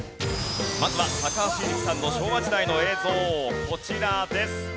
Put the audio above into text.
まずは高橋英樹さんの昭和時代の映像こちらです。